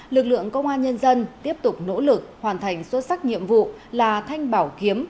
lực lượng công an nhân dân tiếp tục nỗ lực hoàn thành xuất sắc nhiệm vụ là thanh bảo kiếm